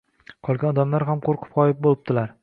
Qolgan odamlar ham qo‘rqib g‘oyib bo‘libdilar